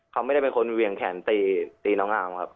เขาไม่ได้เป็นคนเวียงแขนตีน้องอามครับ